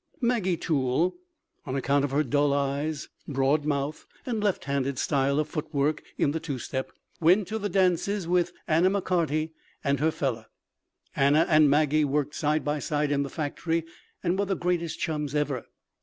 Maggie Toole, on account of her dull eyes, broad mouth and left handed style of footwork in the two step, went to the dances with Anna McCarty and her "fellow." Anna and Maggie worked side by side in the factory, and were the greatest chums ever.